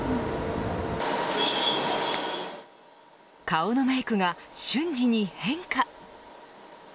顔のメイクが瞬時に変化。